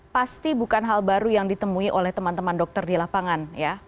pasti bukan hal baru yang ditemui oleh teman teman dokter di lapangan